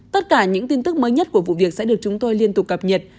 tất cả những tin tức mới nhất của vụ việc sẽ được chúng tôi liên tục cập nhật